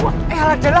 eh hal adalah